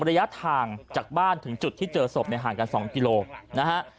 ระยะทางจากบ้านถึงจุดที่เจอศพเนี่ยห่างกัน๒กิโลนะฮะ